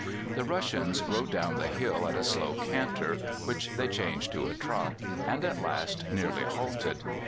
"The Russians rode down the hill at a slow canter, which they changed to a trot, and at last nearly halted.